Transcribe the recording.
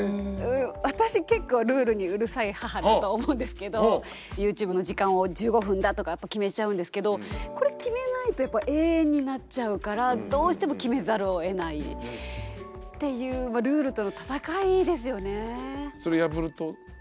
私結構ルールにうるさい母だと思うんですけどＹｏｕＴｕｂｅの時間を１５分だとかやっぱ決めちゃうんですけどこれ決めないとやっぱ永遠になっちゃうからどうしても決めざるをえないっていうそれ破ると？